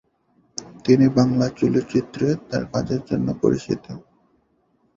তিনি বাংলা চলচ্চিত্রে তার কাজের জন্য পরিচিত।